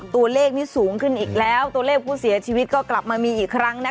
ตัวเลขนี้สูงขึ้นอีกแล้วตัวเลขผู้เสียชีวิตก็กลับมามีอีกครั้งนะ